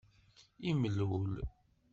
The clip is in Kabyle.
Imlul.